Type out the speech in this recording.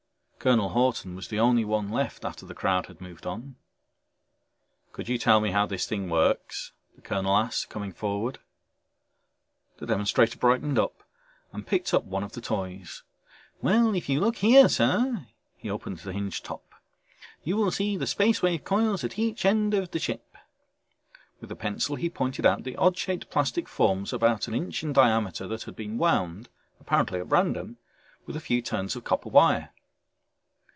Colonel Hawton was the only one left after the crowd had moved on. "Could you tell me how this thing works?" the colonel asked, coming forward. The demonstrator brightened up and picked up one of the toys. "Well, if you will look here, sir...." He opened the hinged top. "You will see the Space Wave coils at each end of the ship." With a pencil he pointed out the odd shaped plastic forms about an inch in diameter that had been wound apparently at random with a few turns of copper wire.